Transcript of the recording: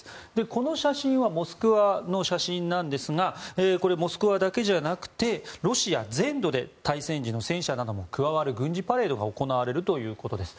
この写真はモスクワの写真ですがモスクワだけじゃなくてロシア全土で大戦時の戦車なども加わる軍事パレードが行われるということです。